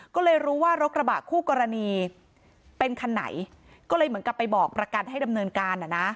ก็เลยรู้ว่ารถกระบะคู่กรณีเป็นคันไหนก็เลยเหมือนกับไปบอกประกันให้ดำเนินการ